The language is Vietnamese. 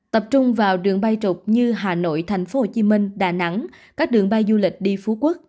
tập trung vào đường bay trục như hà nội tp hcm đà nẵng các đường bay du lịch đi phú quốc